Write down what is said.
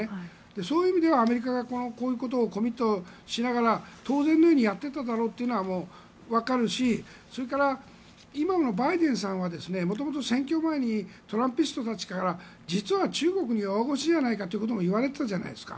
そういう意味ではアメリカがこういうことをコミットしながら当然のようにやっていただろうというのはわかるしそれから、今のバイデンさんは元々選挙前にトランピストたちから実は中国に弱腰じゃないかともいわれていたじゃないですか。